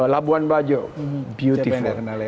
labuan bajo siapa yang tidak kenal ya